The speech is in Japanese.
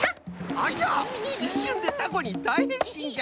ありゃいっしゅんでタコにだいへんしんじゃ！